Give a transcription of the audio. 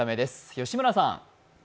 吉村さん。